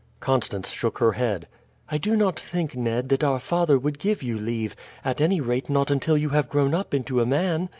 Constance shook her head. "I do not think, Ned, that our father would give you leave, at any rate not until you have grown up into a man.